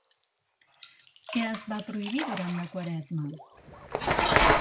Què es va prohibir durant la Quaresma?